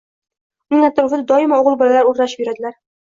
Uning atrofida doimo o‘g‘il bolalar o‘ralashib yuradilar.